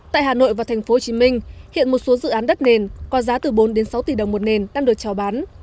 tại hà nội và tp hcm hiện một số dự án đất nền có giá từ bốn sáu tỷ đồng một nền đang được trào bán